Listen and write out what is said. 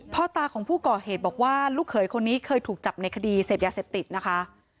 พ่อตาของผู้ก่อเหตุบอกว่าลูกเขยคนนี้เคยถูกจับในคดีเสพยาเสพติดนะคะ